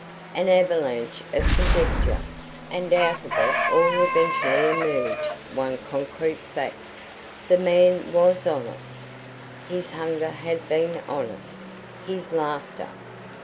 An avalanche of conjecture; and out of it all eventually emerged one concrete fact. The man Was honest. His hunger had been honest; his laughter.